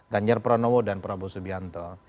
ganjar pranowo dan prabowo subianto